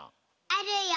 あるよ！